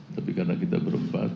tapi karena kita berempat